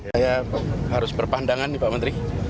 saya harus berpandangan nih pak menteri